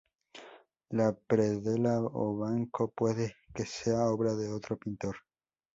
La predela o banco puede que sea obra de otro pintor.